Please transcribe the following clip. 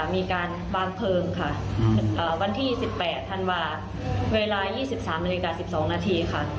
มีการวางเพลิงค่ะวันที่๑๘ธันวาเวลา๒๓นาฬิกา๑๒นาทีค่ะ